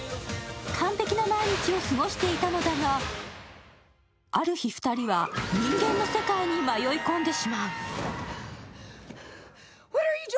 完璧な毎日を過ごしていたのだが、ある日、２人は人間の世界に迷い込んでしまう。